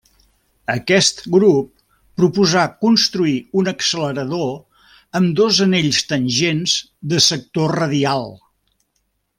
Aquest grup proposà construir un accelerador amb dos anells tangents de sector radial.